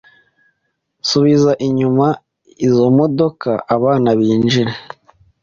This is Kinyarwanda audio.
subiza inyuma izo modoka abana binjire